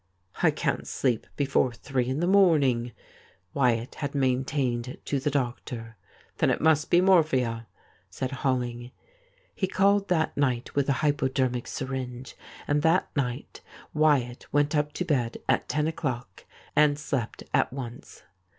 ' I can't sleep before three in the morning,' Wyatt had maintained to the doctor. ' Then it must be morphia,' said H oiling. He called that night with a hypodermic syringe, and that night Wyatt Avent up to bed at ten o'clock and slept at once.